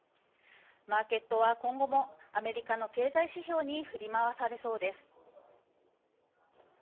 マーケットは今後もアメリカの経済指標に振り回されそうです。